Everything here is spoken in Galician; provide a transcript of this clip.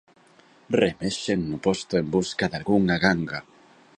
Remexen no posto en busca dalgunha ganga.